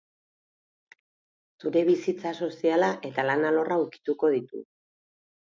Zure bizitza soziala eta lan alorra ukituko ditu.